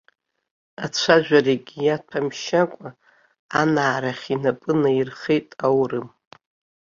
Ацәажәарагьы иаҭәамшьакәа анаарахь инапы наирххеит аурым.